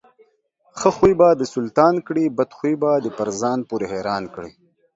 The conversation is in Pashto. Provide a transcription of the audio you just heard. ښه خوى به دسلطان کړي، بدخوى به دپرځان پورې حيران کړي.